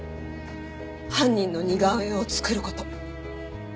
犯人の似顔絵を作る事。